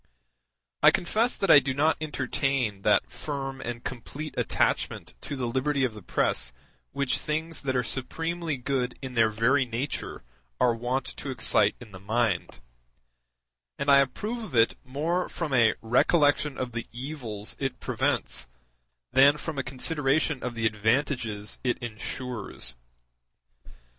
I confess that I do not entertain that firm and complete attachment to the liberty of the press which things that are supremely good in their very nature are wont to excite in the mind; and I approve of it more from a recollection of the evils it prevents than from a consideration of the advantages it ensures.